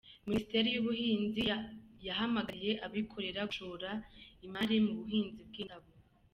Minisiteri y’Ubuhinzi yahamagariye abikorera gushora imari mu buhinzi bw’indabo.